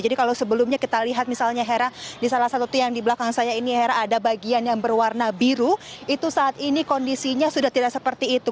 jadi kalau sebelumnya kita lihat misalnya hera di salah satu tiang di belakang saya ini hera ada bagian yang berwarna biru itu saat ini kondisinya sudah tidak seperti itu